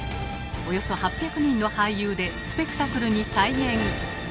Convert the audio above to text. およそ８００人の俳優でスペクタクルに再現！